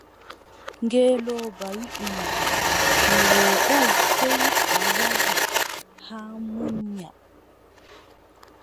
Ngeelooba wii mo: mi woodaa, sey a yaha a munya.